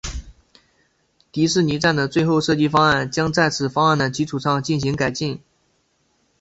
迪士尼站的最后设计方案将在此方案的基础上进行改进。